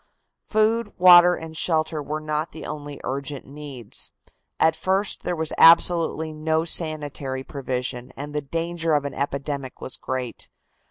Food, water and shelter were not the only urgent needs. At first there was absolutely no sanitary provision, and the danger of an epidemic was great.